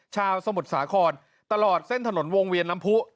ชาวสมุดสาครตลอดเส้นถนนวงเวียนลำพุ